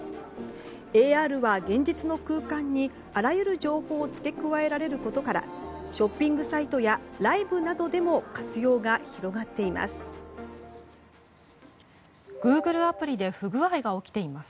ＡＲは現実の空間にあらゆる情報を付け加えられることからショッピングサイトやライブなどでも活用が広がっています。